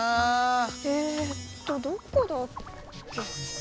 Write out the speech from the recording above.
えっとどこだっけ。